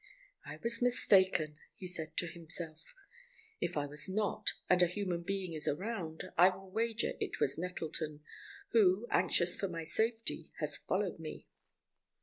"I was mistaken!" he said to himself. "If I was not, and a human being is around, I will wager it was Nettleton, who, anxious for my safety, has followed me."